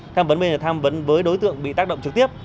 tham vấn bây giờ tham vấn với đối tượng bị tác động trực tiếp